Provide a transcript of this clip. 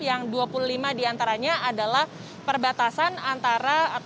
yang dua puluh lima diantaranya adalah perbatasan antara kota